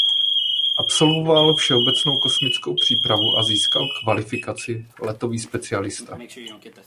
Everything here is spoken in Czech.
Absolvoval všeobecnou kosmickou přípravu a získal kvalifikaci letový specialista.